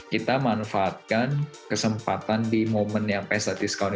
kita manfaatkan kesempatan di momen yang pesta diskon